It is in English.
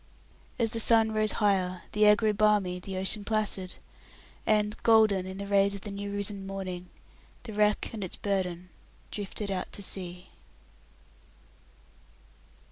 As the sun rose higher the air grew balmy, the ocean placid; and, golden in the rays of the new risen morning, the wreck and its burden drifted out to sea.